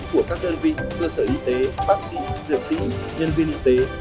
của các đơn vị cơ sở y tế bác sĩ dược sĩ nhân viên y tế